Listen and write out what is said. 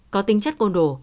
có tính chất côn đồ